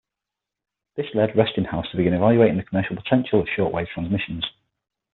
This led Westinghouse to begin evaluating the commercial potential of shortwave transmissions.